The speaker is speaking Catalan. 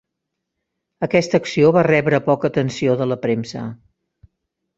Aquesta acció va rebre poca atenció de la premsa.